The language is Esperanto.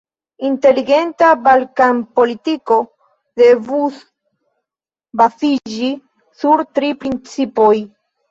Inteligenta Balkan-politiko devus baziĝi sur tri principoj.